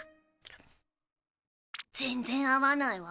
全然合わないわ。